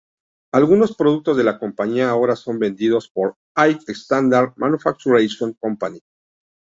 Algunos productos de la compañía ahora son vendidos por High Standard Manufacturing Company.